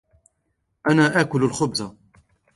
أنا آكل الخبز.